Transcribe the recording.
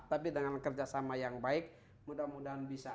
tapi dengan kerjasama yang baik mudah mudahan bisa